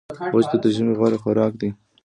وچ توت د ژمي غوره خوراک دی.